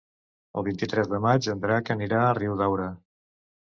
El vint-i-tres de maig en Drac anirà a Riudaura.